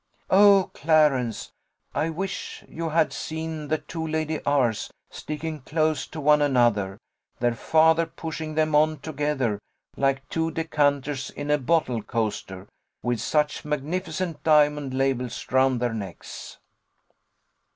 Oh, Clarence, I wish you had seen the two Lady R.'s sticking close to one another, their father pushing them on together, like two decanters in a bottle coaster, with such magnificent diamond labels round their necks!"